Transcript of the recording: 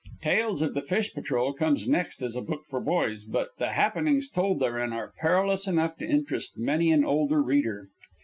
"Tales of the Fish Patrol" comes next as a book for boys; but the happenings told therein are perilous enough to interest many an older reader.